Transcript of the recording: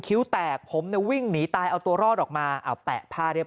คิ้วแตกผมเนี่ยวิ่งหนีตายเอาตัวรอดออกมาเอาแปะผ้าเรียบ